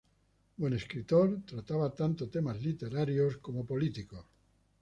Buen escritor, trataba tanto temas literarios como políticos.